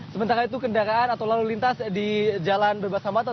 sementara itu kendaraan atau lalu lintas di jalan bebasambatan